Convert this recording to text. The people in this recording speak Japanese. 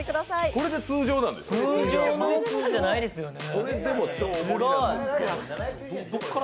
これで通常なんですか。